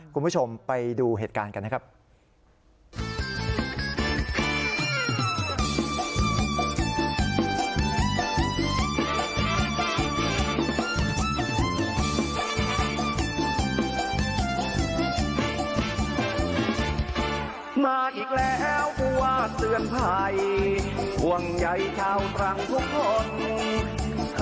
คุณผู้ชมไปดูเหตุการณ์กันนะครับ